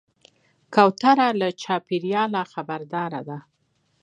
کوتره له چاپېریاله نه خبرداره ده.